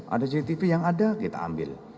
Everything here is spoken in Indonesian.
ada cctv yang ada kita ambil